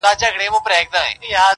د رقیبانو له سرکوبه خو چي نه تېرېدای -